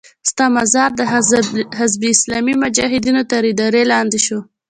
شا مزار د حزب اسلامي مجاهدینو تر اداره لاندې شو.